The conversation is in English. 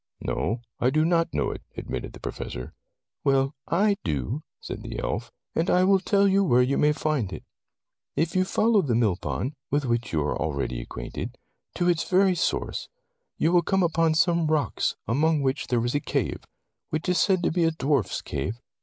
"No, I do not know it," admitted the Professor. "Well, I do," said the elf, "and I will tell you where you may find it. If you follow the mill pond, with which you are already acquainted, to its very source, you will come upon some rocks among which there is a cave, which is said to be a dwarf's cave.